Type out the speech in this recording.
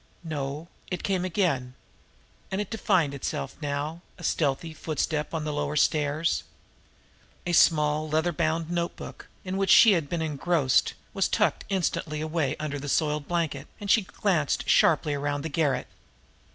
No it came again! And it even defined itself now a stealthy footstep on the lower stairs. A small, leather bound notebook, in which she had been engrossed, was tucked instantly away under the soiled blanket, and she glanced sharply around the garret.